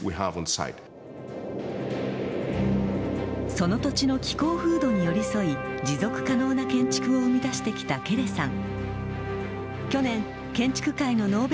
その土地の気候風土に寄り添い持続可能な建築を生み出してきたケレさん。